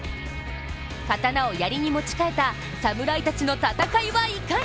刀をやりに持ち替えたサムライたちの戦いはいかに？